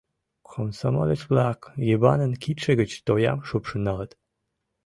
Комсомолец-влак Йыванын кидше гыч тоям шупшын налыт.